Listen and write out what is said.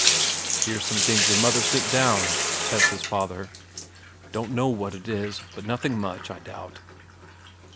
"Here's some things your mother sent down," says his father. "Don't know what it is, but nothing much, I doubt."